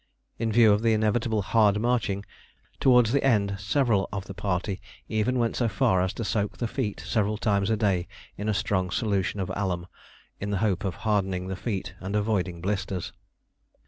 In view of the inevitable hard marching, towards the end several of the party even went so far as to soak the feet several times a day in a strong solution of alum, in the hope of hardening the feet and avoiding blisters.